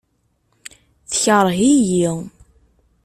Tekṛeh-iyi.